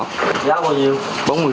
giá bao nhiêu